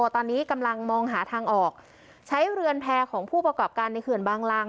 ตอนนี้กำลังมองหาทางออกใช้เรือนแพร่ของผู้ประกอบการในเขื่อนบางรัง